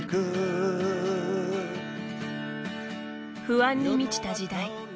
不安に満ちた時代。